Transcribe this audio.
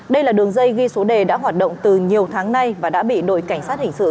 đây là đường dây ghi số đề đã hoạt động từ nhiều tháng nay và đã bị đội cảnh sát hình sự